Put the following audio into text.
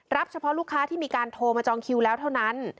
เฉพาะลูกค้าที่มีการโทรมาจองคิวแล้วเท่านั้น